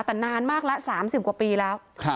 แต่นานมากละ๓๐กว่าปีแล้ว